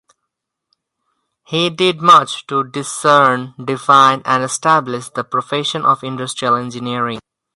He did much to discern, define, and establish the profession of industrial engineering.